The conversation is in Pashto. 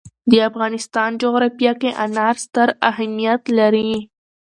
د افغانستان جغرافیه کې انار ستر اهمیت لري.